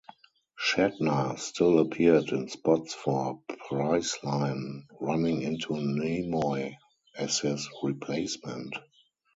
Shatner still appeared in spots for Priceline, running into Nimoy as his replacement.